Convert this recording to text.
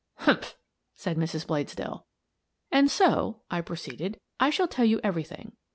"Humph!" said Mrs. Bladesdell. " And so," I proceeded, " I shall tell you every thing.